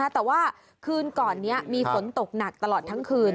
แต่ว่าคืนก่อนนี้มีฝนตกหนักตลอดทั้งคืน